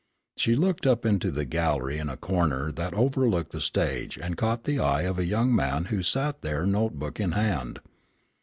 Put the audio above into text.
She looked up into the gallery in a corner that overlooked the stage and caught the eye of a young man who sat there notebook in hand.